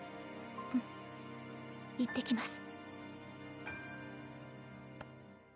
うん。いってきます。